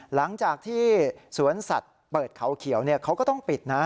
หลังจากที่สวนสัตว์เปิดเขาเขียวเขาก็ต้องปิดนะ